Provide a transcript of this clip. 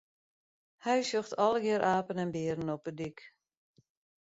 Hy sjocht allegear apen en bearen op 'e dyk.